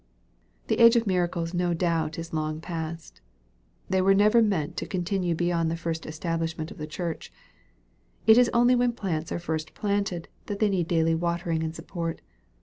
The age of miracles no doubt is long passed. They were never meant to continue beyond the first establish ment of the Church. It is only when plants are first planted, that they need daily watering and support.